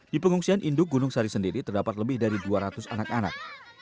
di pengungsian induk gunung sari sendiri terdapat lebih dari dua ratus anak anak